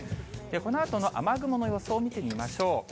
このあとの雨雲の予想を見てみましょう。